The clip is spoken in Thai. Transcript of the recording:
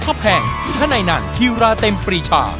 ถ้าแพงข้าในนันธิระเต็มปรีชา